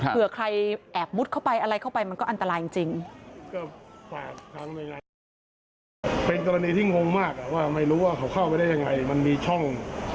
เผื่อใครแอบมุดเข้าไปอะไรเข้าไปมันก็อันตรายจริง